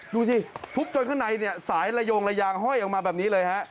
ดูสิทุบจนข้างในเนี่ยสายระโยงระยางห้อยออกมาแบบนี้เลยฮะ